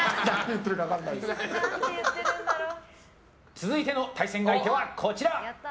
続いての対戦相手はこちら！